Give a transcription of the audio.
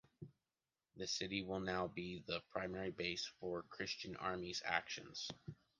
The city will now be the primary base for christian armies' actions.